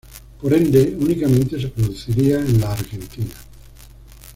Por ende, únicamente se produciría en la Argentina.